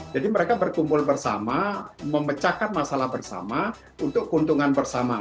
jadi mereka berkumpul bersama memecahkan masalah bersama untuk keuntungan bersama